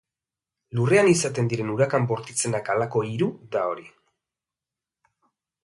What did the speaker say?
Lurrean izaten diren hurakan bortitzenak halako hiru da hori.